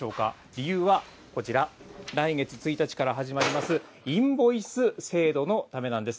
理由はこちら、来月１日から始まります、インボイス制度のためなんです。